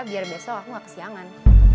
biar besok aku gak kesiangan